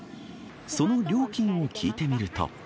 その料金を聞いてみると。